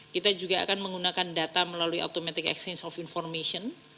kita juga akan menggunakan data melalui automatic exchange of information